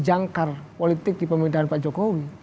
jangkar politik di pemerintahan pak jokowi